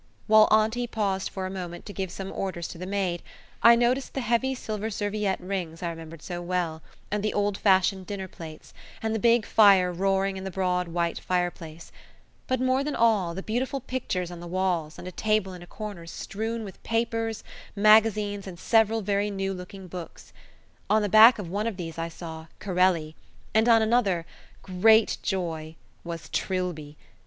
While auntie paused for a moment to give some orders to the maid, I noticed the heavy silver serviette rings I remembered so well, and the old fashioned dinner plates, and the big fire roaring in the broad white fireplace; but more than all, the beautiful pictures on the walls and a table in a corner strewn with papers, magazines, and several very new looking books. On the back of one of these I saw "Corelli", and on another great joy! was Trilby.